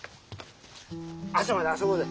朝まで遊ぼうぜ。